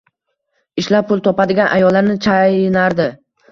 Ishlab, pul topadigan ayollarni chaynardi.